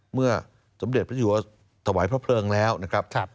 เมื่อสมเด็จพระเจ้าถวายพระเพลิงแล้วนะครับ